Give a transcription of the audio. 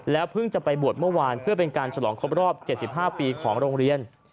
เพิ่งจะไปบวชเมื่อวานเพื่อเป็นการฉลองครบรอบ๗๕ปีของโรงเรียน